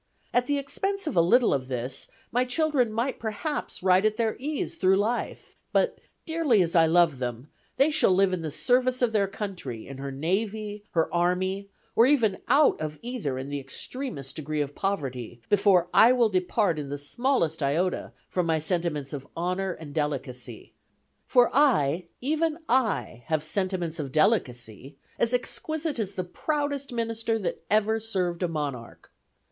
At the expense of a little of this, my children might perhaps ride at their ease through life, but dearly as I love them, they shall live in the service of their country, in her navy, her army, or even out of either in the extremest degree of poverty, before I will depart in the smallest iota from my sentiments of honor and delicacy; for I, even I, have sentiments of delicacy as exquisite as the proudest minister that ever served a monarch.